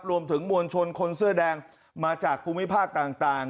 มวลชนคนเสื้อแดงมาจากภูมิภาคต่าง